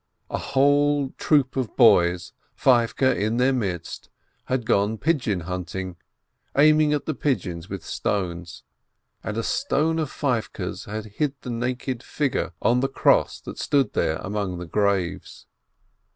A whole troop of boys, Feivke in their midst, had gone pigeon hunting, aiming at the pigeons with stones, and a stone of Feivke's had hit the naked fig ure on the cross that stood among the graves.